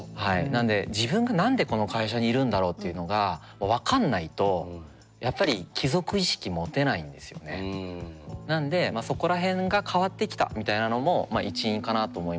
なので「自分が何でこの会社にいるんだろう？」っていうのが分かんないとやっぱりなんでそこら辺が変わってきたみたいなのも一因かなと思いますね。